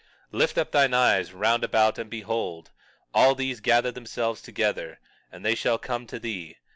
21:18 Lift up thine eyes round about and behold; all these gather themselves together, and they shall come to thee.